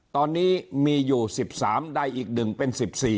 ตอนนี้มีอยู่๑๓ใดอีก๑เป็น๑๔